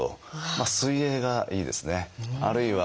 水泳がいいですね。